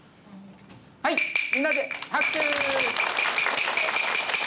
はいみんなで拍手！